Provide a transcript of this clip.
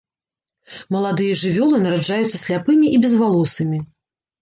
Маладыя жывёлы нараджаюцца сляпымі і безвалосымі.